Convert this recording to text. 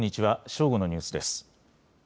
正午のニュースです。